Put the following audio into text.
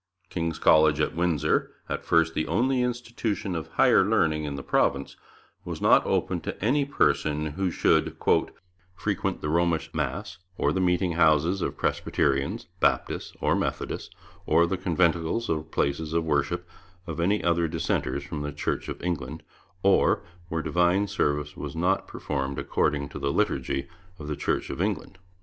King's College at Windsor, at first the only institution of higher learning in the province, was not open to any person who should 'frequent the Romish mass, or the meeting houses of Presbyterians, Baptists, or Methodists, or the conventicles or places of worship of any other dissenters from the Church of England, or where divine service shall not be performed according to the liturgy of the Church of England.'